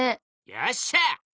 よっしゃ！